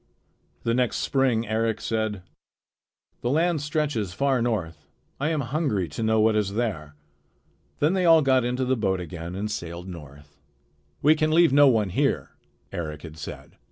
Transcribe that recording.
The next spring Eric said: "The land stretches far north. I am hungry to know what is there." Then they all got into the boat again and sailed north. "We can leave no one here," Eric had said.